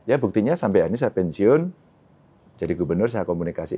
ya buktinya sampai hari ini saya pensiun jadi gubernur saya komunikasi